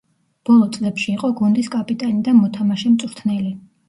ბოლო წლებში იყო გუნდის კაპიტანი და მოთამაშე-მწვრთნელი.